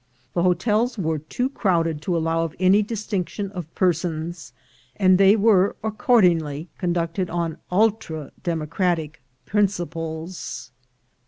The hotels were too crowded to allow of any distinc tion of persons, and they were accordingly conducted on ultra democratic principles.